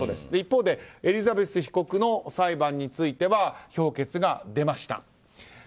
一方でエリザベス被告の裁判については評決が出ました。